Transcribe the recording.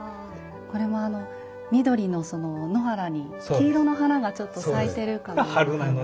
これも緑の野原に黄色の花がちょっと咲いてるかのような。